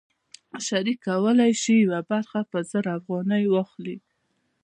شریک کولی شي یوه برخه په زر افغانۍ واخلي